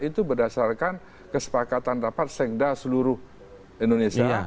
itu berdasarkan kesepakatan dapat sengda seluruh indonesia